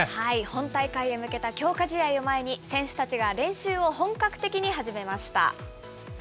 本大会へ向けた強化試合を前に、選手たちが練習を本格的に始めました。